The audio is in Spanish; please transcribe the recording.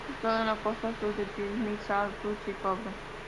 Está situado en la costa sur de Tsim Sha Tsui, Kowloon.